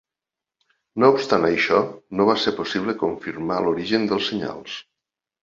No obstant això, no va ser possible confirmar l'origen dels senyals.